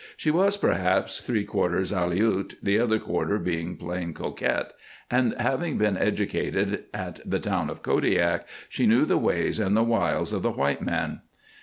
She was perhaps three quarters Aleut, the other quarter being plain coquette, and, having been educated at the town of Kodiak, she knew the ways and the wiles of the white man.